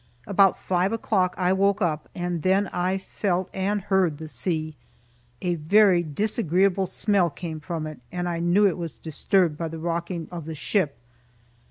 About five o'clock I woke up, and then I felt and heard the sea. A very disagreeable smell came from it, and I knew it was disturbed by the rocking of the ship.